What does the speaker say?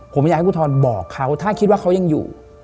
ผมอยากให้ครูทรบอกเขาถ้าคิดว่าเขายังอยู่